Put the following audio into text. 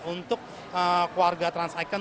untuk keluarga trans icon